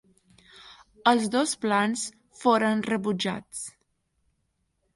Els dos plans foren rebutjats.